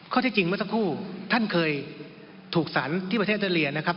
ที่จริงเมื่อสักครู่ท่านเคยถูกสรรที่ประเทศเตอเลียนะครับ